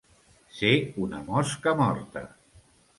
Ser una mosca morta.